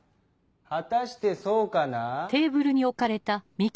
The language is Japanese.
果たしてそうかな？